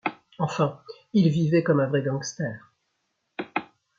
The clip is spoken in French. Enfin, il vivait comme un vrai gangster !